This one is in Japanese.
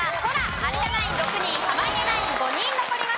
有田ナイン６人濱家ナイン５人残りました。